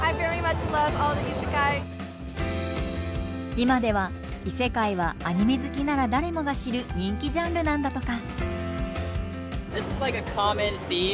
今では異世界はアニメ好きなら誰もが知る人気ジャンルなんだとか。